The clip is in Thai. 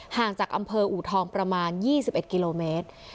ห่างจากอำเภออูทองประมาณ๒๑กิโลเมตร